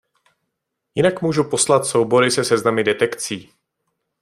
Jinak můžu poslat soubory se seznamy detekcí.